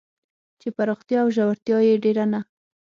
چې پراختیا او ژورتیا یې ډېر نه